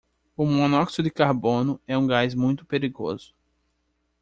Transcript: O monóxido de carbono é um gás muito perigoso.